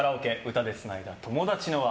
歌でつないだ友達の輪。